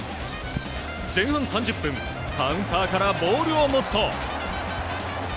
前半３０分、カウンターからボールを持つと。